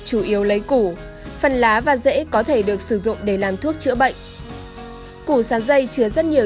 không lấy củ phần lá và dễ có thể được sử dụng để làm thuốc chữa bệnh củ sáng dây chứa rất nhiều